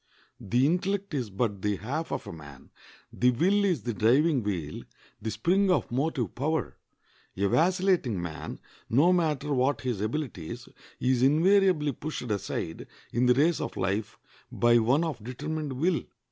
The intellect is but the half of a man; the will is the driving wheel, the spring of motive power. A vacillating man, no matter what his abilities, is invariably pushed aside in the race of life by one of determined will.